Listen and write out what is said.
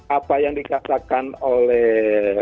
apa yang dikatakan oleh